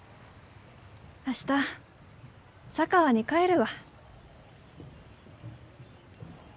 明日佐川に帰るわ。